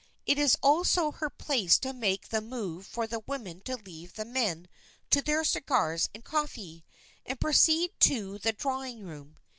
It is also her place to make the move for the women to leave the men to their cigars and coffee, and proceed to the drawing room.